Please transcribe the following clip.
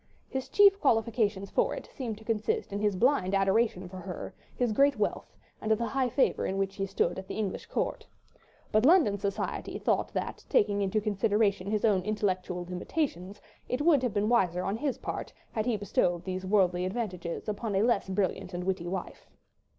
His chief qualifications for it seemed to consist in his blind adoration for her, his great wealth, and the high favour in which he stood at the English court; but London society thought that, taking into consideration his own intellectual limitations, it would have been wiser on his part had he bestowed those worldly advantages upon a less brilliant and witty wife.